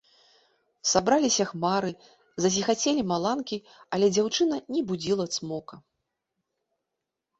Сабраліся хмары, зазіхацелі маланкі, але дзяўчына не будзіла цмока.